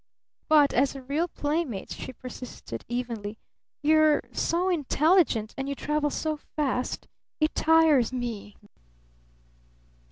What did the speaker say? "But as a real playmate," she persisted evenly, "you are so intelligent and you travel so fast it tires me."